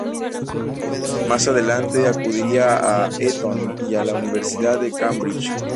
Más adelante acudiría a Eton y a la Universidad de Cambridge.